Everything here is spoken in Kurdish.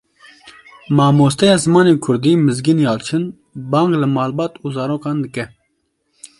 Mamosteya Zimanê kurdî Mizgîn Yalçin bang li malbat û zarokan dike.